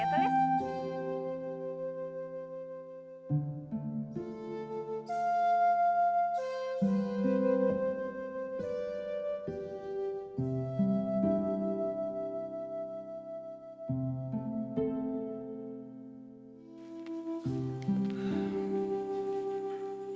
terima kasih pak